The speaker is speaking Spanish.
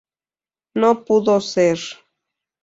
No pudo ser.